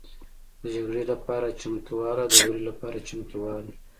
د جګړې لپاره چمتووالی او د بري لپاره چمتووالی